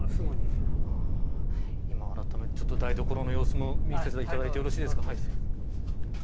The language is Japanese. あらためて台所の様子も見せていただいてもいいですか。